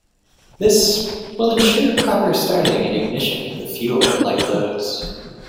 This "will insure proper starting and ignition of the fuel at light loads".